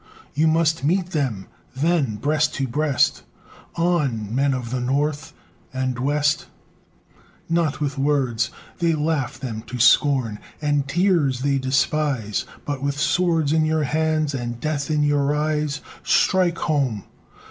You must meet them, then, breast to breast; On! Men of the North and West! Not with words; they laugh them to scorn, And tears they despise; But with swords in your hands and death In your eyes! Strike home!